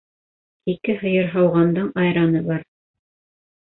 Ике һыйыр һауғандың айраны бар